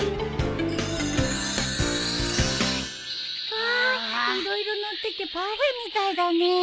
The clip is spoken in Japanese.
わあ色々載っててパフェみたいだねえ。